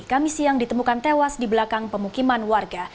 kami siang ditemukan tewas di belakang pemukiman warga